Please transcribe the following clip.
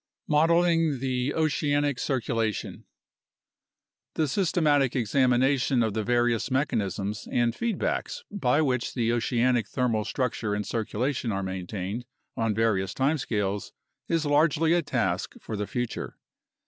Modeling the Oceanic Circulation The systematic examination of the various mechanisms and feedbacks by which the oceanic thermal structure and circulation are maintained on various time scales is largely a task for the future.